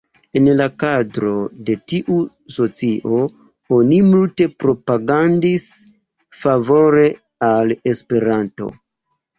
En la kadro de tiu socio, oni multe propagandis favore al Esperanto.